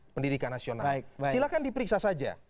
pendidikan nasional silahkan diperiksa saja